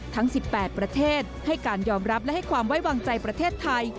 ทั้ง๑๘ประเทศให้การยอมรับและให้ความไว้วางใจประเทศไทย